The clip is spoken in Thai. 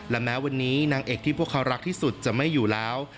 และแม้วันนี้นางเอกที่พวกเขารักที่สุดจะไม่อยู่แล้ว